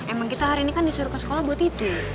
emang kita hari ini kan disuruh ke sekolah buat itu